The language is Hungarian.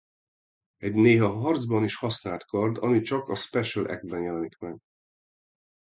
Egy néha harcban is használt kard ami csak a Special act-ben jelenik meg.